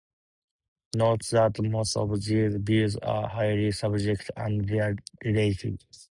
Note that most of these views are highly subjective and relative.